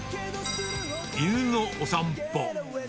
犬のお散歩。